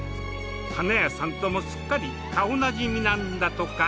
花屋さんともすっかり顔なじみなんだとか。